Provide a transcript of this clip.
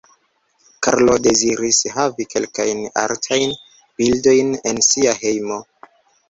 Karlo deziris havi kelkajn artajn bildojn en sia hejmo.